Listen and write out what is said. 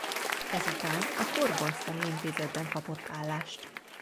Ezután a Kórbonctani Intézetben kapott állást.